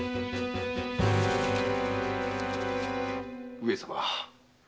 上様。